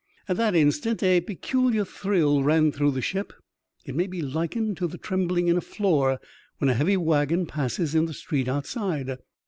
At that instant a peculiar thrill ran through the ship. It may be likened to the trembling in a floor when a heavy waggon passes in the street outside.